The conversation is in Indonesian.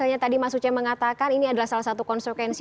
misalnya tadi mas uceh mengatakan ini adalah salah satu konsekuensi